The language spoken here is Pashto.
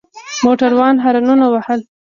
موټروان هارنونه وهل.